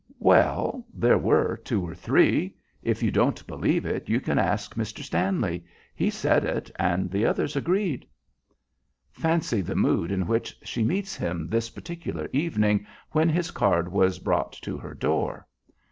"Well. There were two or three. If you don't believe it, you can ask Mr. Stanley. He said it, and the others agreed." Fancy the mood in which she meets him this particular evening, when his card was brought to her door.